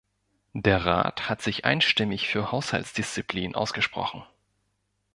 Der Rat hat sich einstimmig für Haushaltsdisziplin ausgesprochen.